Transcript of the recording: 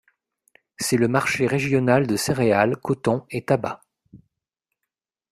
C'est le marché régional de céréales, coton et tabac.